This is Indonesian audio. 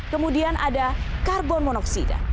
kemudian ada karbon monoksida